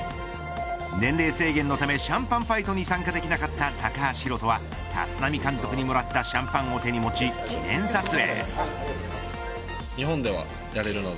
年齢制限のためシャンパンファイトに参加できなかった高橋宏斗は立浪監督にもらったシャンパンを手に持ち記念撮影。